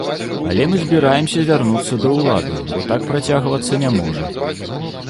Але мы збіраемся вярнуцца да ўлады, бо так працягвацца не можа.